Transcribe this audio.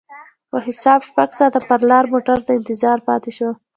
په حساب شپږ ساعته پر لار موټر ته انتظار پاتې شوم.